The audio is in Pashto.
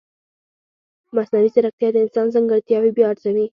مصنوعي ځیرکتیا د انسان ځانګړتیاوې بیا ارزوي.